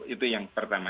itu yang pertama